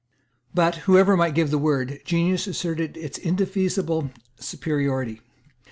But, whoever might give the word, genius asserted its indefeasible superiority.